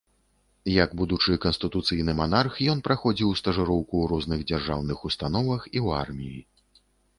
Як будучы канстытуцыйны манарх ён праходзіў стажыроўку ў розных дзяржаўных установах і ў арміі.